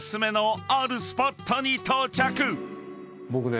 僕ね